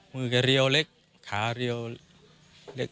มือก็เรียวเล็กขาเรียวเล็ก